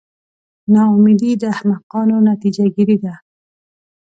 نا امیدي د احمقانو نتیجه ګیري ده.